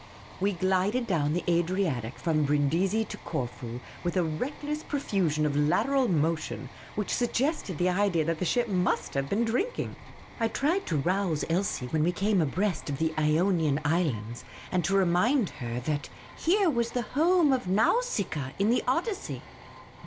We glided down the Adriatic from Brindisi to Corfu with a reckless profusion of lateral motion which suggested the idea that the ship must have been drinking. I tried to rouse Elsie when we came abreast of the Ionian Islands, and to remind her that " Here was the home of Nausicaa in the Odyssey."